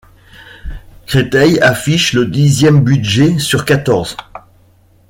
Créteil affiche le dixième budget sur quatorze.